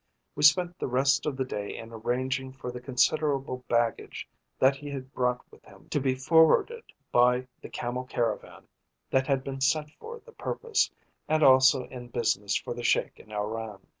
We spent the rest of the day in arranging for the considerable baggage that he had brought with him to be forwarded by the camel caravan that had been sent for the purpose, and also in business for the Sheik in Oran.